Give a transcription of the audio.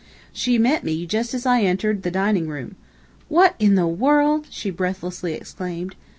She met me, just as I entered the dining room. "What IN the world!" she breathlessly exclaimed.